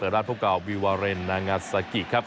ด้านพ่อเก่าวิวาเรนนางาซากิครับ